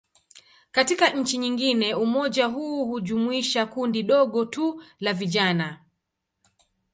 Katika nchi nyingine, umoja huu hujumuisha kundi dogo tu la vijana.